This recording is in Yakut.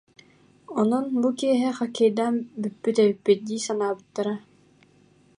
Онон бу киэһэ хоккейдаан бүппүт эбиппит дии санаабыттара